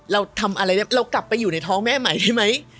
เราทำอะไรเรากลับไปอยู่ในท้องแม่ใหม่ได้ไหม